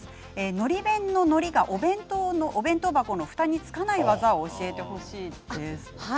のり弁の、のりがお弁当箱のふたにつかない技を教えてほしいです。